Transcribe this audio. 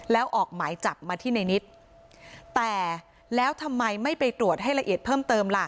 แล้วออกหมายจับมาที่ในนิดแต่แล้วทำไมไม่ไปตรวจให้ละเอียดเพิ่มเติมล่ะ